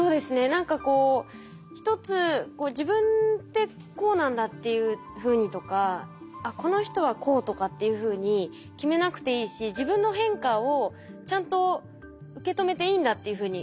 何かこう一つ自分ってこうなんだっていうふうにとかこの人はこうとかっていうふうに決めなくていいし自分の変化をちゃんと受け止めていいんだっていうふうに思いますよね。